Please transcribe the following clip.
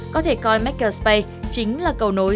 có thể coi makerspace chính là cầu nối